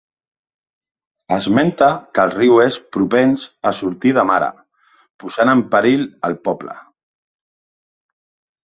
Esmenta que el riu és propens a sortir de mare, posant en perill el poble.